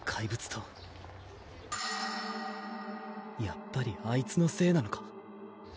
やっぱりあいつのせいなのか？